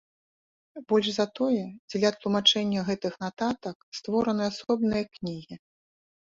Больш за тое, дзеля тлумачэння гэтых нататак створаны асобныя кнігі.